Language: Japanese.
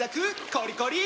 コリコリ！